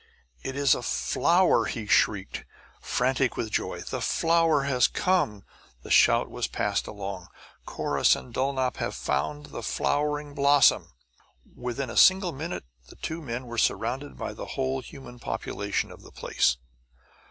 "It is a flower!" he shrieked, frantic with joy. "The flower has come!" the shout was passed along. "Corrus and Dulnop have found the flowering blossom!" Within a single minute the two men were surrounded by the whole human population of the place.